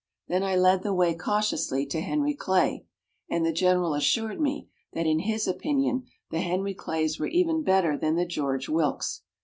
Then I led the way cautiously to Henry Clay, and the General assured me that in his opinion the Henry Clays were even better than the George Wilkes.